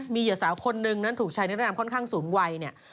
มีเหยื่อสาวคนหนึ่งนั่นถูกใช้เนื้อแรมค่อนข้างศูนย์วัย